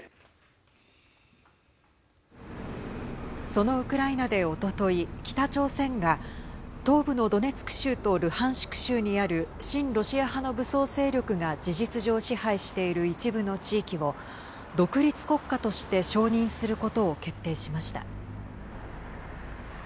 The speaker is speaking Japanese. そのウクライナで、おととい北朝鮮が東部のドネツク州とルハンシク州にある親ロシア派の武装勢力が事実上支配している一部の地域を独立国家として承認することを決定しました。